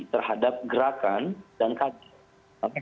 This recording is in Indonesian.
terhadap gerakan dan kader